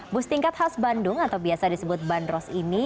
bus tingkat khas bandung atau biasa disebut bandros ini